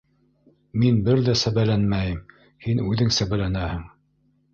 - Мин бер ҙә сәбәләнмәйем, һин үҙең сәбәләнәһең!